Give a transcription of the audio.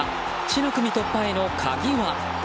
死の組突破への鍵は？